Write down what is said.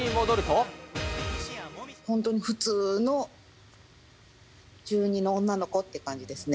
本当に普通の、中２の女の子って感じですね。